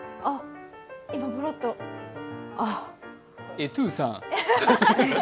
エトゥーさん。